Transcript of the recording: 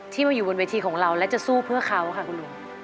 มาอยู่บนเวทีของเราและจะสู้เพื่อเขาค่ะคุณลุง